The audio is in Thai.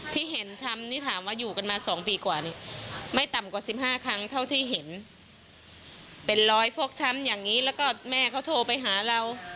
ที่เห็นช้ำนี่ถามว่าอยู่กันมา๒ปีกว่านี้ไม่ต่ำกว่า๑๕ครั้งเท่าที่เห็นเป็นรอยฟกช้ำอย่างนี้แล้วก็แม่เขาโทรไปหาเรา